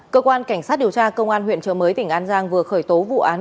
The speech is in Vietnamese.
cơ quan cảnh sát điều tra công an huyện trợ mới tỉnh an giang vừa khởi tố vụ án